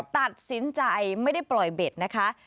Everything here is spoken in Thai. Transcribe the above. ตัดสินใจไม่ได้ปล่อยเบ็ดนะคะ